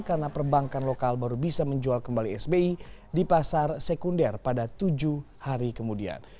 karena perbankan lokal baru bisa menjual kembali sbi di pasar sekunder pada tujuh hari kemudian